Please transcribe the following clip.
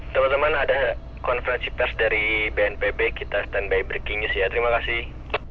teman teman ada konferensi pers dari bnpb kita standby breaking news ya terima kasih